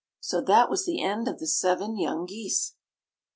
So that was the end of the seven young geese.